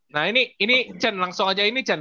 nah ini chen langsung aja ini chen